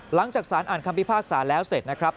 หลังจากสารอ่านคำพิพากษาแล้วเสร็จนะครับ